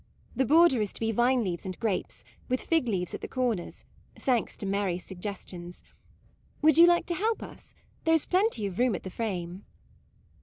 The border is to be vine leaves and grapes; with fig leaves at the corners, thanks to Mary's suggestions. Would you like to help us? there is plenty of room at the frame."